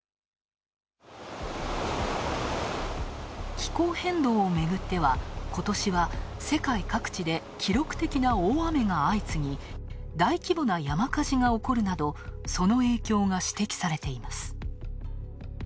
気候変動をめぐっては、今年は世界各地で記録的な大雨が相次ぎ、大規模な山火事が起こるなど、その影響が指摘されています。